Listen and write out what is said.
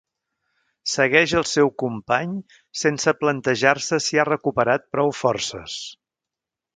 Segueix el seu company sense plantejar-se si ha recuperat prou forces.